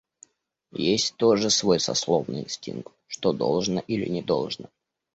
Есть тоже свой сословный инстинкт, что должно или не должно.